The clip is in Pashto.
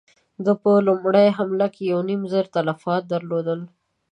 ده په لومړۍ حمله کې يو نيم زر تلفات درلودل.